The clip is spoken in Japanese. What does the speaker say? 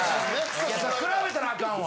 そら比べたらアカンわ。